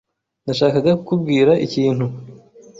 Nashakaga kukubwira ikintu.